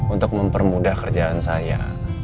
untuk mempermudah kerjaan saya